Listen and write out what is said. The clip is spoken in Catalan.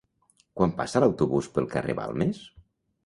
Quan passa l'autobús pel carrer Balmes?